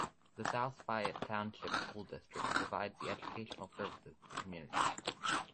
The South Fayette Township School District provides the educational services to the community.